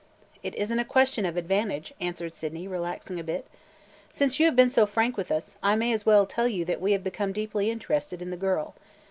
"It is n't a question of advantage," answered Sydney, relaxing a bit. "Since you have been so frank with us, I may as well tell you that we have become deeply interested in the girl.